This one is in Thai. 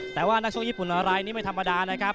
แต่ว่านักสู้ญี่ปุ่นอะไรนี้ไม่ธรรมดานะครับ